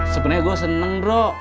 sebenernya gue seneng nro